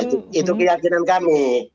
nah itu keyakinan kami